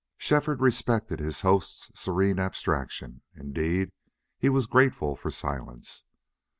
Shefford respected his host's serene abstraction. Indeed, he was grateful for silence.